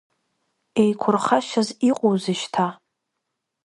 Еиқурхашьас иҟоузеи шьҭа?